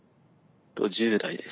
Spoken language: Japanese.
１０代です。